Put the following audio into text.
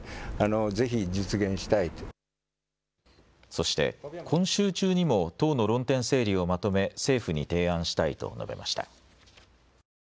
そして今週中にも党の論点整理をまとめ政府に提案したいと述べました。